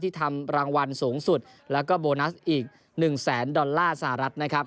ทำรางวัลสูงสุดแล้วก็โบนัสอีก๑แสนดอลลาร์สหรัฐนะครับ